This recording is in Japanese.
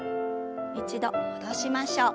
一度戻しましょう。